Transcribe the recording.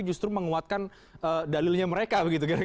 justru menguatkan dalilnya mereka